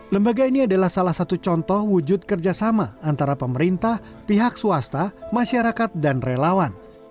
lembaga ini adalah salah satu contoh wujud kerjasama antara pemerintah pihak swasta masyarakat dan relawan